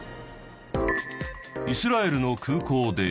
イスラエルの空港で。